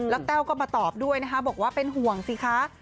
แล้วแต้วก็มาตอบด้วยนะคะบอกว่าเป็นห่วงสิคะ